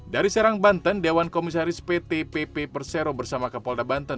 dari serang banten dewan komisaris pt pp persero bersama kapolda banten